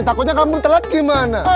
takutnya kampung telat gimana